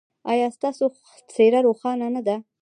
ایا ستاسو څیره روښانه نه ده؟